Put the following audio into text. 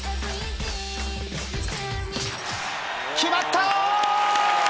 決まった！